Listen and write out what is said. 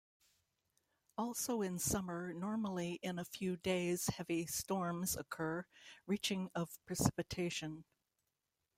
Also in summer, normally in a few days heavy storms occur, reaching of precipitation.